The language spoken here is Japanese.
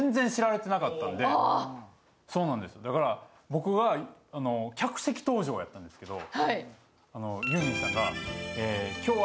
僕は客席登場やったんですけど。